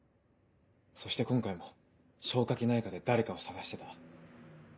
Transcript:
そして今回も消化器内科で誰かを捜してた。